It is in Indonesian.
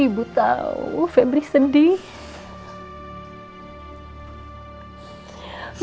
ibu tahu febri sedih